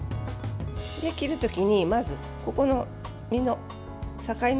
切る時に、まずここの身の境目